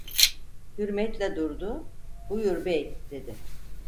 Hürmetle durdu: - Buyur bey, dedi.